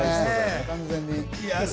完全に。